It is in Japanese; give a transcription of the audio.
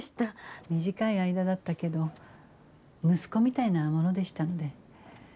短い間だったけど息子みたいなものでしたので。